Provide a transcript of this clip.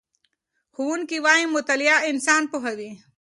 ښوونکی وایي چې مطالعه انسان پوهوي.